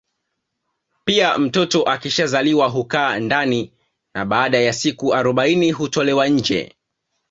Pia mtoto akishazaliwa hukaa ndani na baada ya siku arobaini hutolewa nje